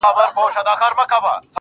نه ، نه داسي نه ده.